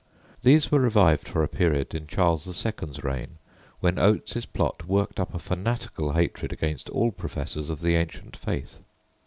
These were revived for a period in Charles II.'s reign, when Oates's plot worked up a fanatical hatred against all professors of the ancient faith.